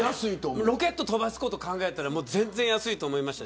ロケットを飛ばすことを考えたら全然安いと思うし。